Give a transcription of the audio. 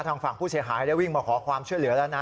ทางฝั่งผู้เสียหายได้วิ่งมาขอความช่วยเหลือแล้วนะ